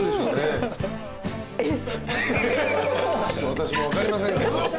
私も分かりませんけど。